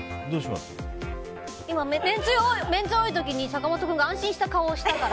今、めんつゆが多い時に坂本君が安心した顔をしたから。